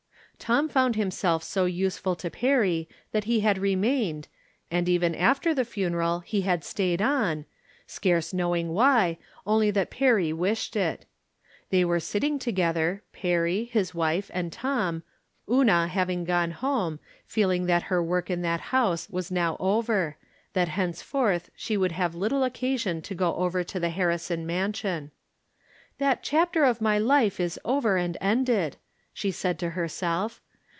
Tom found himself so useful to Perry that he had remained, and even aftSr the funeral he had staid on, scarce knowing why, only that Perry wished it. They were sitting together. Perry, his wife and Tom, Una having gone home, feel ing that her work in that house was now over ; that henceforth she would have little occasion to go over to the Harrison mansion. " That chap ter of my life is over and ended," she said to her self.